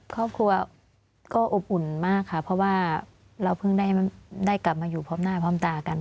ครอบครัวก็อบอุ่นมากค่ะเพราะว่าเราเพิ่งได้กลับมาอยู่พร้อมหน้าพร้อมตากัน